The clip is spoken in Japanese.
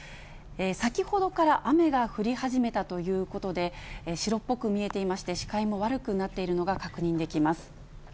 先ほどから雨が降り始めたということで、白っぽく見えていまして、視界も悪くなっているのが確認できます。